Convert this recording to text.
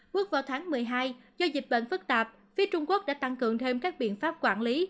bước vào tháng một mươi hai do dịch bệnh phức tạp phía trung quốc đã tăng cường thêm các biện pháp quản lý